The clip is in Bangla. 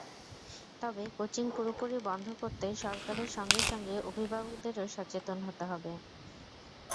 তবে কোচিং পুরোপুরি বন্ধ করতে সরকারের সঙ্গে সঙ্গে অভিভাবকদেরও সচেতন হতে হবে।